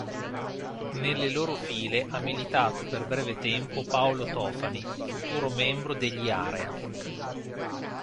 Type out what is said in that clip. Nelle loro file ha militato per breve tempo Paolo Tofani futuro membro degli Area.